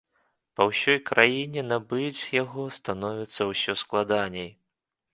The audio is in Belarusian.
Па ўсёй краіне набыць яго становіцца ўсё складаней.